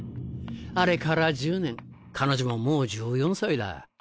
あれから１０年彼女ももう１４歳だ。